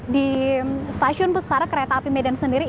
di stasiun besar kereta api medan sendiri